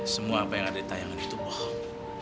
semua apa yang ada di tayangan itu bohong